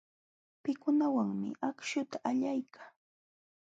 Pikuwanmi akśhuta allaykaa.